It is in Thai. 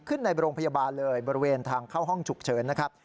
ในโรงพยาบาลเลยบริเวณทางเข้าห้องฉุกเฉินนะครับ